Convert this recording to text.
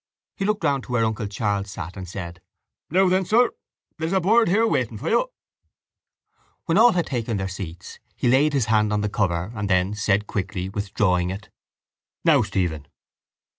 He looked round to where uncle Charles sat and said: —Now then, sir, there's a bird here waiting for you. When all had taken their seats he laid his hand on the cover and then said quickly, withdrawing it: —Now, Stephen.